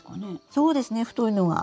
そうですね太いのは。